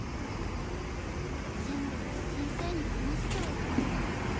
全部先生に話しちゃおうかな